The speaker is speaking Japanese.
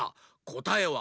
こたえは。